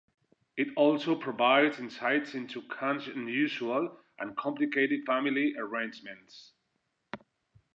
It also provides insights into Kahn's unusual and complicated family arrangements.